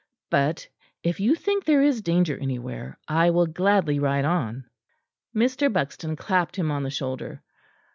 But, if you think there is danger anywhere, I will gladly ride on." Mr. Buxton clapped him on the shoulder.